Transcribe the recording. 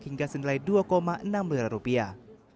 hingga senilai dua enam miliar rupiah